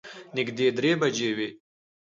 نږدې درې بجې وې.